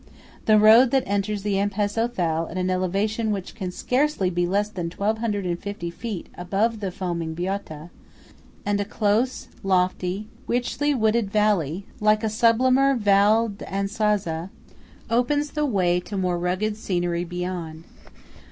The road enters the Ampezzo Thal at an elevation which can scarcely be less than 1250 feet above the foaming Boita; and a close, lofty, richly wooded valley, like a sublimer Val d'Anzasca, opens the way to more rugged scenery beyond.